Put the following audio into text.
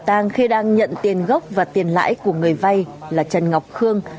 bắt quả tăng khi đang nhận tiền gốc và tiền lãi của người vay là trần ngọc khương